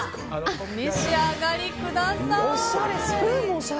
お召し上がりください。